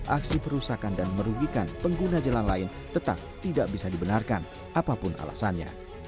aksi perusakan dan merugikan pengguna jalan lain tetap tidak bisa dibenarkan apapun alasannya